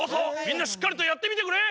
みんなしっかりとやってみてくれ！